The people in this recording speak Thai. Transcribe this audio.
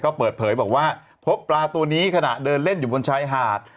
ก็เปิดเผยบอกว่าพบปลาตัวนี้ขณะเดินเล่นอยู่บนชายหาด